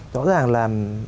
rõ ràng là